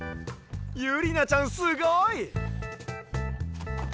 ゆりなちゃんすごい！